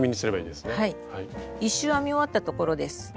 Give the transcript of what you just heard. １周編み終わったところです。